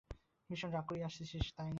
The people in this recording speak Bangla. ভীষণ রাগ করে আছিস, তাইনা?